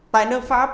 tại nước pháp